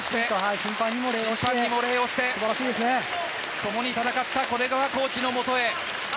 審判にも礼をして共に戦った古根川コーチのもとへ。